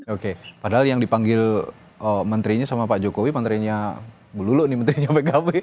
oke padahal yang dipanggil menterinya sama pak jokowi menterinya bu lulu nih menterinya pkb